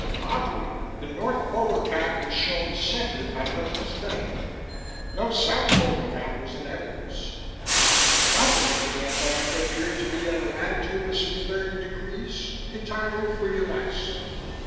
Oddly, the north polar cap was shown centered on Hudson's Bay. No south polar cap was in evidence. The continent of Antarctica appeared to be at a latitude of some 30 degrees, entirely free of ice."